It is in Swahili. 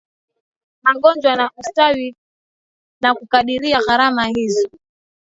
magonjwa na ustawi na kukadiria gharama hizo